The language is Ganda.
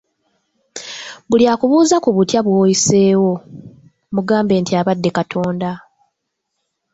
Buli akubuuza ku butya bw'oyiseewo, mugambe nti abadde Katonda.